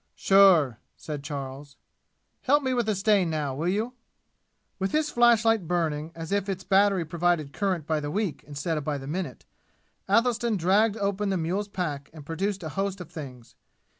"Sure," said Charles. "Help me with the stain now, will you?" With his flash light burning as if its battery provided current by the week instead of by the minute, Athelstan dragged open the mule's pack and produced a host of things.